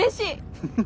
フフフッ。